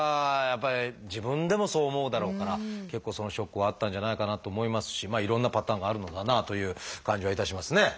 やっぱり自分でもそう思うだろうから結構そのショックはあったんじゃないかなと思いますしいろんなパターンがあるのだなという感じはいたしますね。